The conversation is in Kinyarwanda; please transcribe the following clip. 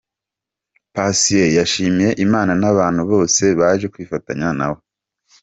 Patient yashimiye Imana n'abantu bose baje kwifatanya nawe.